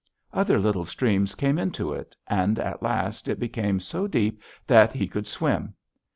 Other little streams came into it, and at last it became so deep that he could swim.